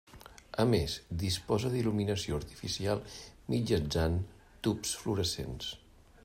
A més, disposa d'il·luminació artificial mitjançant tubs fluorescents.